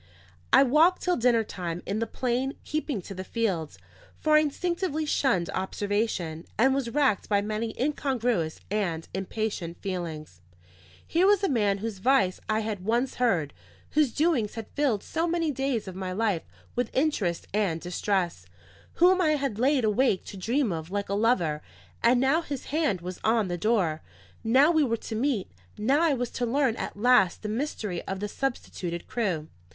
I walked till dinner time in the plain, keeping to the fields; for I instinctively shunned observation, and was racked by many incongruous and impatient feelings. Here was a man whose voice I had once heard, whose doings had filled so many days of my life with interest and distress, whom I had lain awake to dream of like a lover; and now his hand was on the door; now we were to meet; now I was to learn at last the mystery of the substituted crew.